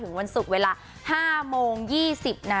ถึงวันศุกร์เวลา๕โมง๒๐น